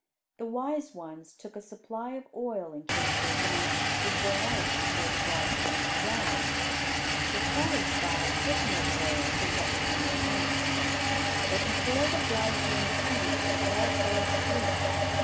The wise ones took a supply of oil in case their lamps should burn out before the bridegroom arrived; the foolish five took no oil but what was in their lamps. But before the bridegroom came they all fell asleep.